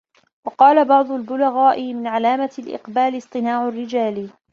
وَقَالَ بَعْضُ الْبُلَغَاءِ مِنْ عَلَامَةِ الْإِقْبَالِ اصْطِنَاعُ الرِّجَالِ